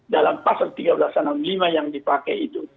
dalam pasal tiga belas enam puluh lima yang dipakai itu